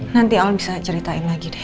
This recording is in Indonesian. nanti al bisa ceritain lagi deh